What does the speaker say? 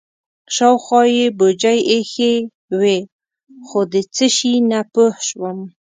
شاوخوا یې بوجۍ ایښې وې خو د څه شي نه پوه شوم.